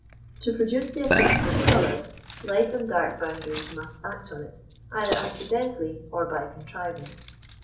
To produce the appearance of colour, light and dark boundaries must act on it either accidentally or by contrivance.